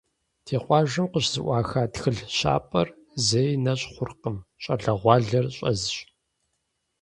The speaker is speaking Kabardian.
Ди къуажэм къыщызэӏуаха тхылъ щапӏэр зэи нэщӏ хъуркъым, щӏалэгъуалэр щӏэзщ.